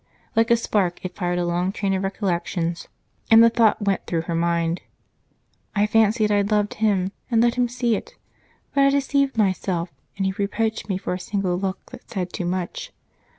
Like a spark it fired a long train of recollections, and the thought went through her mind: "I fancied I loved him, and let him see it, but I deceived myself, and he reproached me for a single look that said too much.